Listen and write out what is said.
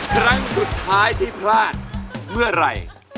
ครั้งสุดท้ายที่พลาดเมื่อไหร่